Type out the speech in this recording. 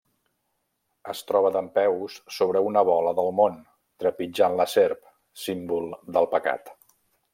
Es troba dempeus sobre una bola del món, trepitjant la serp, símbol del pecat.